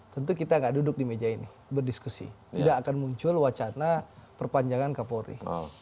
tentu kita tidak duduk di meja ini berdiskusi tidak akan muncul wacana perpanjangan kapolri